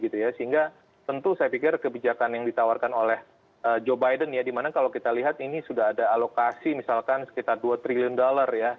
sehingga tentu saya pikir kebijakan yang ditawarkan oleh joe biden ya dimana kalau kita lihat ini sudah ada alokasi misalkan sekitar dua triliun dolar ya